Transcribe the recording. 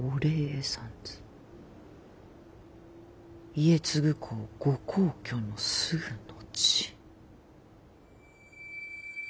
家継公ご薨去のすぐ後。